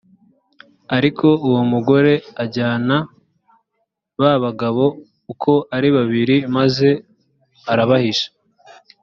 ariko uwo mugore ajyana ba bagabo uko ari babiri, maze arabahisha.